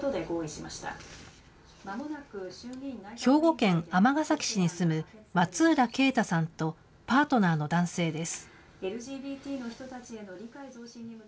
兵庫県尼崎市に住む松浦慶太さんとパートナーの男性です。